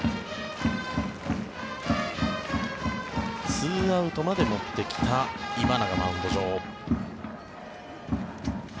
２アウトまで持ってきた今永マウンド上。